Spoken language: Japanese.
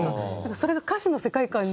それが歌詞の世界観に似て。